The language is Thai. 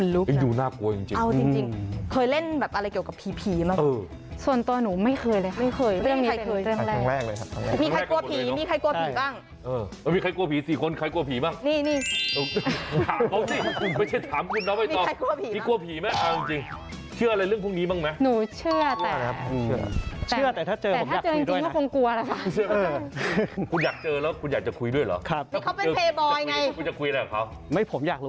ดูน่ากลัวจริงอืม